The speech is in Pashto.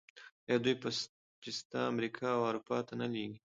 آیا دوی پسته امریکا او اروپا ته نه لیږي؟